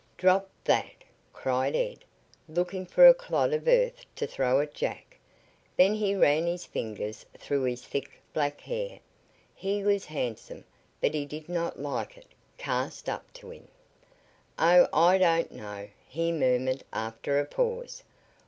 "Drop that!" cried Ed, looking for a clod of earth to throw at Jack. Then he ran his fingers through his thick, black hair. He was handsome, but he did not like it "cast up to him." "Oh, I don't know," he murmured after a pause.